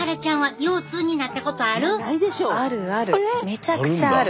めちゃくちゃある。